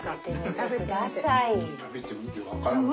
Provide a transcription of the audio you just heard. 食べてみて分かるか。